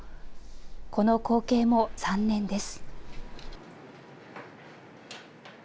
この光景も３年です。